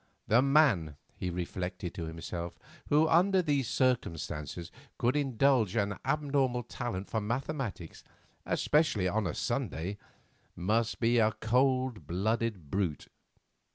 The man, he reflected to himself, who under these circumstances could indulge an abnormal talent for mathematics, especially on Sunday, must be a cold blooded brute.